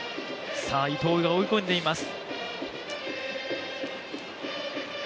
伊藤が追い込んでいます。